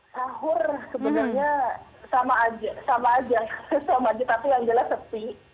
sahur sebenarnya sama aja tapi yang jelas sepi